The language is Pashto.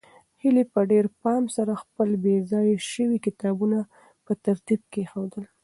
هیلې په ډېر پام سره خپل بې ځایه شوي کتابونه په ترتیب کېښودل.